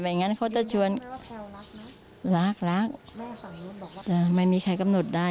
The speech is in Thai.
ไม่งั้นเขาจะชวนรักรักแต่ไม่มีใครกำหนดได้